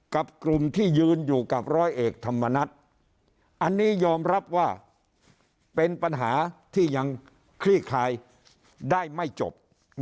กับกลุ่มที่ยืนอยู่กับร้อยเอกธรรมนัฐอันนี้ยอมรับว่าเป็นปัญหาที่ยังคลี่คลายได้ไม่จบ